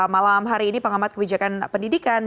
malam hari ini pengamat kebijakan pendidikan